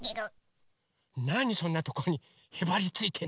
なにそんなとこにへばりついてんのよ。